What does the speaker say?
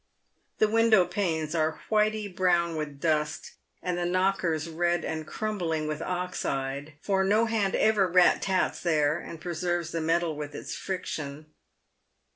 The window panes are whitey brown with dust and the knockers red and crumbling with oxide, for no hand ever rat tats there and preserves the metal with its friction.